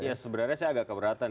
ya sebenarnya saya agak keberatan